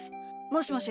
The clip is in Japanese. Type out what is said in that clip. もしもし？